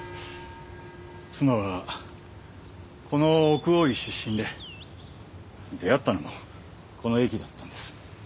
妻はこの奥大井出身で出会ったのもこの駅だったんです。